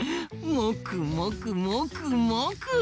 もくもくもくもく！